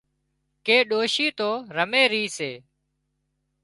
ڪي ڏوشي تو رمي رِي سي